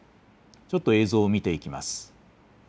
ちょっと映像を見ていきます。